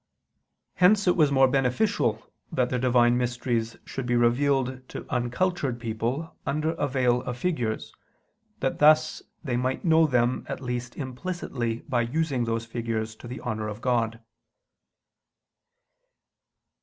Hence it was more beneficial that the Divine mysteries should be revealed to uncultured people under a veil of figures, that thus they might know them at least implicitly by using those figures to the honor of God.